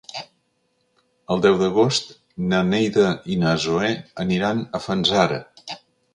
El deu d'agost na Neida i na Zoè aniran a Fanzara.